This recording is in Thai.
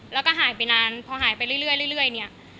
แล้วก็หายไปนานพอหายไปเรื่อยเนี่ย